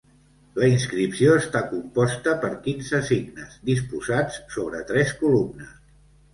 La inscripció està composta per quinze signes, disposats sobre tres columnes.